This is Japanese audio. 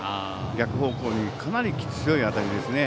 逆方向にかなり強い当たりですね。